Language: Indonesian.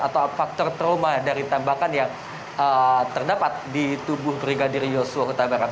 atau faktor trauma dari tembakan yang terdapat di tubuh brigadir yosua huta barat